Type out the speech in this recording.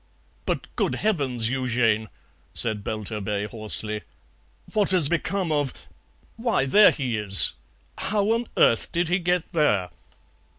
'" "But good Heavens, Eugène," said Belturbet hoarsely, "what has become of Why, there he is! How on earth did he get there?"